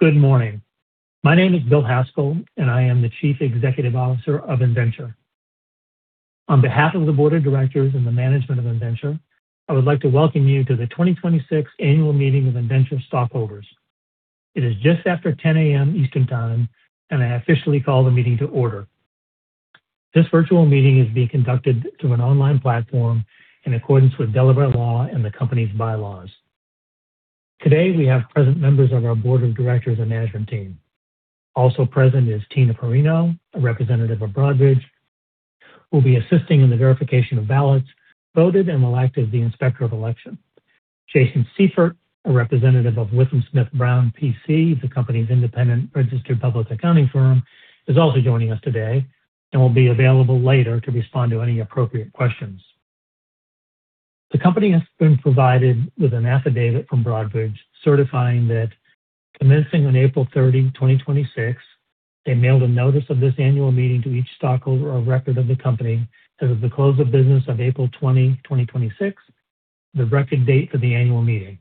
Good morning. My name is Bill Haskell, and I am the Chief Executive Officer of Innventure. On behalf of the board of directors and the management of Innventure, I would like to welcome you to the 2026 Annual Meeting of Innventure Stockholders. It is just after 10:00 A.M. Eastern Time, I officially call the meeting to order. This virtual meeting is being conducted through an online platform in accordance with Delaware law and the company's bylaws. Today, we have present members of our board of directors and management team. Also present is Tina Perrino, a representative of Broadridge, who will be assisting in the verification of ballots voted and elected the Inspector of Election. Jason Seifert, a representative of WithumSmith+Brown, PC, the company's independent registered public accounting firm, is also joining us today and will be available later to respond to any appropriate questions. The company has been provided with an affidavit from Broadridge certifying that commencing on April 30, 2026, they mailed a notice of this annual meeting to each stockholder of record of the company as of the close of business on April 20, 2026, the record date for the annual meeting.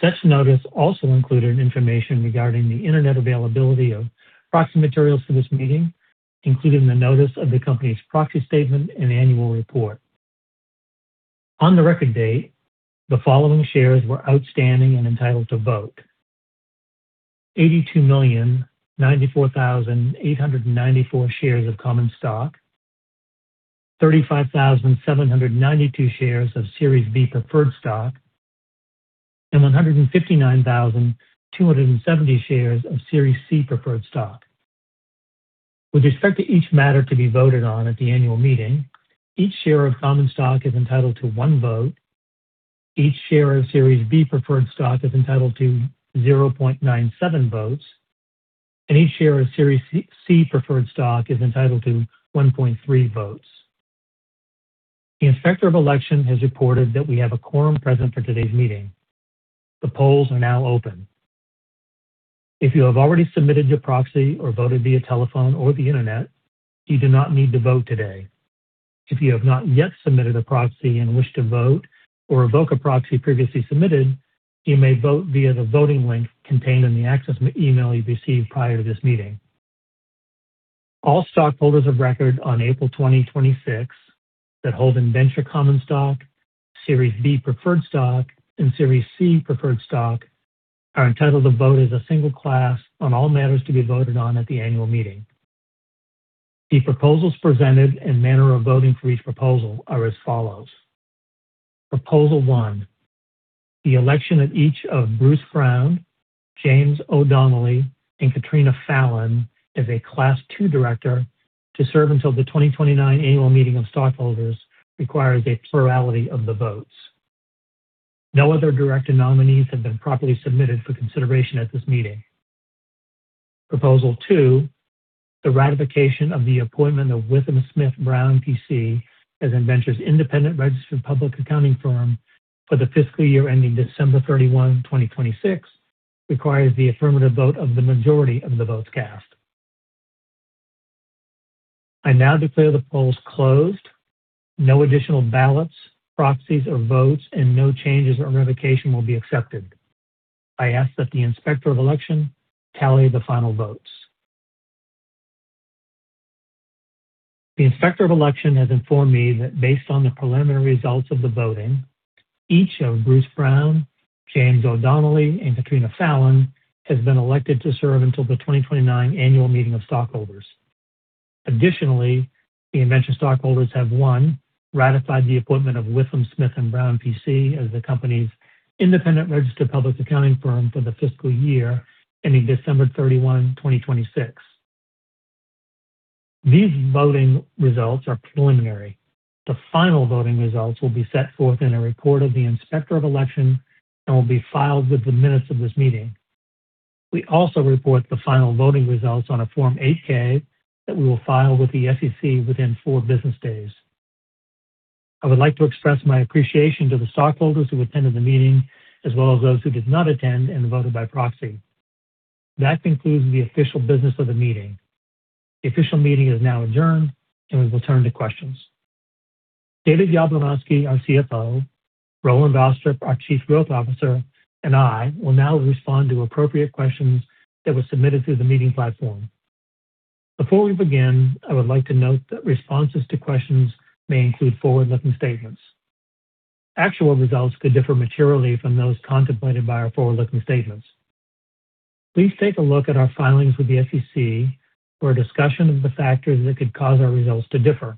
Such notice also included information regarding the internet availability of proxy materials for this meeting, including the notice of the company's proxy statement and annual report. On the record date, the following shares were outstanding and entitled to vote: 82,094,894 shares of common stock, 35,792 shares of Series B preferred stock, and 159,270 shares of Series C preferred stock. With respect to each matter to be voted on at the annual meeting, each share of common stock is entitled to one vote, each share of Series B preferred stock is entitled to 0.97 votes, each share of Series C preferred stock is entitled to 1.3 votes. The Inspector of Election has reported that we have a quorum present for today's meeting. The polls are now open. If you have already submitted your proxy or voted via telephone or the internet, you do not need to vote today. If you have not yet submitted a proxy and wish to vote or revoke a proxy previously submitted, you may vote via the voting link contained in the access email you received prior to this meeting. All stockholders of record on April 2026 that hold Innventure common stock, Series B preferred stock, and Series C preferred stock are entitled to vote as a single class on all matters to be voted on at the annual meeting. The proposals presented and manner of voting for each proposal are as follows. Proposal 1, the election of each of Bruce Brown, James Donnally, and Catriona Fallon as a Class II director to serve until the 2029 annual meeting of stockholders requires a plurality of the votes. No other director nominees have been properly submitted for consideration at this meeting. Proposal 2, the ratification of the appointment of WithumSmith+Brown, PC as Innventure's independent registered public accounting firm for the fiscal year ending December 31, 2026, requires the affirmative vote of the majority of the votes cast. I now declare the polls closed. No additional ballots, proxies, or votes and no changes or revocation will be accepted. I ask that the Inspector of Election tally the final votes. The Inspector of Election has informed me that based on the preliminary results of the voting, each of Bruce Brown, Jim Donnally, and Catriona Fallon has been elected to serve until the 2029 annual meeting of stockholders. Additionally, the Innventure stockholders have, one, ratified the appointment of WithumSmith+Brown, PC as the company's independent registered public accounting firm for the fiscal year ending December 31, 2026. These voting results are preliminary. The final voting results will be set forth in a report of the Inspector of Election and will be filed with the minutes of this meeting. We also report the final voting results on a Form 8-K that we will file with the SEC within four business days. I would like to express my appreciation to the stockholders who attended the meeting as well as those who did not attend and voted by proxy. That concludes the official business of the meeting. The official meeting is now adjourned, and we will turn to questions. Dave Yablunosky, our CFO, Roland Austrup, our Chief Growth Officer, and I will now respond to appropriate questions that were submitted through the meeting platform. Before we begin, I would like to note that responses to questions may include forward-looking statements. Actual results could differ materially from those contemplated by our forward-looking statements. Please take a look at our filings with the SEC for a discussion of the factors that could cause our results to differ.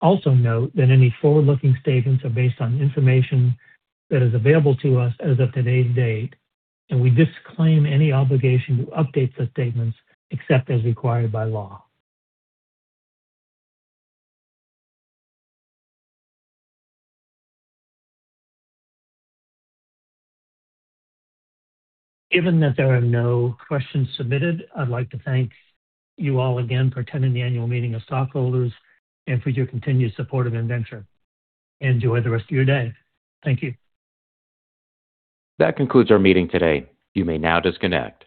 Also note that any forward-looking statements are based on information that is available to us as of today's date, and we disclaim any obligation to update such statements except as required by law. Given that there are no questions submitted, I'd like to thank you all again for attending the annual meeting of stockholders and for your continued support of Innventure. Enjoy the rest of your day. Thank you. That concludes our meeting today. You may now disconnect.